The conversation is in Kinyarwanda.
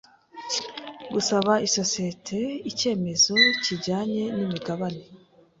gusaba isosiyete icyemezo kijyanye n imigabane